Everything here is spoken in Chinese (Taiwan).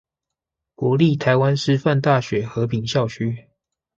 國立臺灣師範大學和平校區